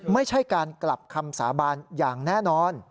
ไม่ใช่การกลับคำสาบานอย่างแน่นอน